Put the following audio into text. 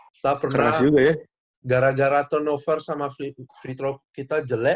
kita pernah gara gara turnover sama free throw kita jelek